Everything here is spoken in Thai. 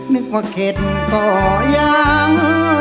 นึกว่าเข็ดก็ยัง